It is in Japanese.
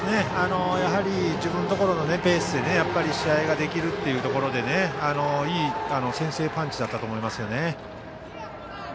自分のところのペースで試合ができるというところでいい先制パンチだったと思います。